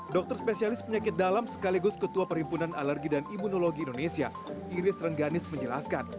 dokter spesialis penyakit dalam sekaligus ketua perhimpunan alergi dan imunologi indonesia iris rengganis menjelaskan